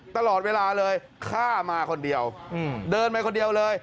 ตลอดเวลาเลยข้ามาคนเดียวเดินไปคนเดียวเลย